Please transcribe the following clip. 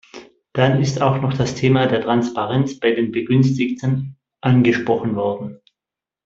Dann ist auch noch das Thema der Transparenz bei den Begünstigten angesprochen worden.